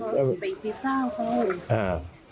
ไปพรีซ่าเขาอ่า